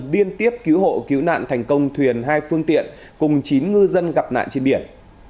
liên tiếp cứu hộ cứu nạn thành công thuyền hai phương tiện cùng chín ngư dân gặp nạn trên biển